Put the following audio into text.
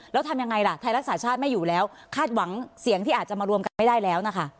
แล้วทำยังไงล่ะไทยรักษาชาติไม่อยู่แล้วคาดหวังเสียงที่อาจจะมารวมกันไม่ได้แล้วนะคะ